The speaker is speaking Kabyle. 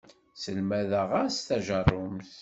Sselmadeɣ-as tajerrumt.